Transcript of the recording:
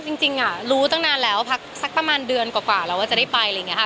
จริงรู้ตั้งนานแล้วพักสักประมาณเดือนกว่าแล้วว่าจะได้ไปอะไรอย่างนี้ค่ะ